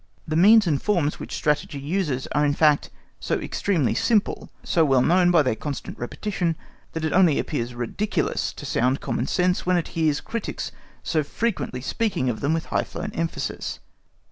The means and forms which Strategy uses are in fact so extremely simple, so well known by their constant repetition, that it only appears ridiculous to sound common sense when it hears critics so frequently speaking of them with high flown emphasis.